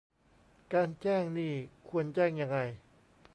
การแจ้งนี่ควรแจ้งยังไง